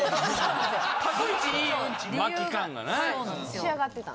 仕上がってたん？